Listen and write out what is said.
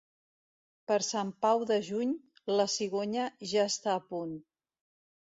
Per Sant Pau de juny, la cigonya ja està a punt.